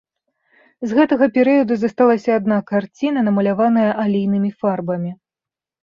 З гэтага перыяду засталася адна карціна, намаляваная алейнымі фарбамі.